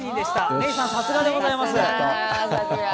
メイさん、さすがでございます。